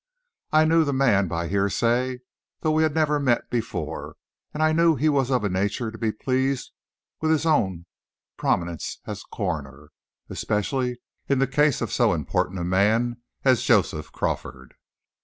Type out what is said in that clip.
I knew the man by hearsay, though we had never met before; and I knew that he was of a nature to be pleased with his own prominence as coroner, especially in the case of so important a man as Joseph Crawford.